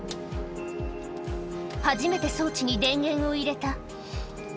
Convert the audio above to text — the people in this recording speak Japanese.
初めて装置に電源を入れた。